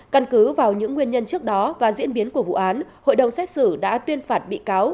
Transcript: căn cứ vào những nguyên nhân trước đó và diễn biến của vụ án hội đồng xét xử đã tuyên phạt bị cáo